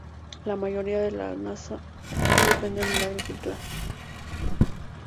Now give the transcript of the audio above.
La mayoría de los nasa dependen de la agricultura.